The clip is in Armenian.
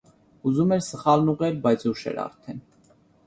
Ուզում էր սխալն ուղղել, բայց ուշ էր արդեն: